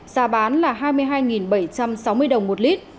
giá xăng e năm tăng hai mươi hai bảy trăm sáu mươi đồng một lít